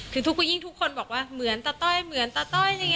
คือทุกผู้หญิงทุกคนบอกว่าเหมือนตาต้อยเหมือนตาต้อย